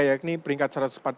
yakni peringkat tujuh puluh empat